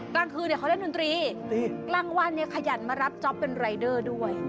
กลางคืนเขาเล่นดนตรีกลางวันเนี่ยขยันมารับจ๊อปเป็นรายเดอร์ด้วย